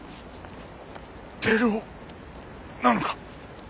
照夫なのか？